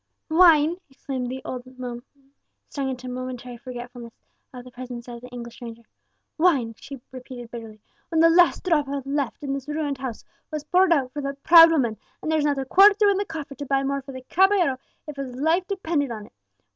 "Wine!" exclaimed the old woman, stung into momentary forgetfulness of the presence of the English stranger "wine!" she repeated bitterly, "when the last drop left in this ruined house was poured out for that proud woman; and there's not a cuarto in the coffer to buy more for the caballero if his life depended upon it!